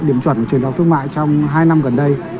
điểm chuẩn của trường đại học thương mại trong hai năm gần đây